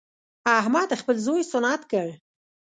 احمد خپل زوی سنت کړ.